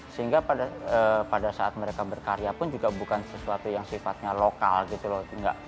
sehingga pada saat mereka berkarya pun juga bukan sesuatu yang sifatnya lokal gitu loh